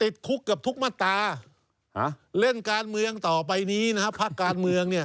ติดคุกเกือบทุกม่าตาเล่นการเมืองต่อไปหนีพระการเมือง